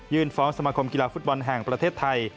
ฟ้องสมาคมกีฬาฟุตบอลแห่งประเทศไทย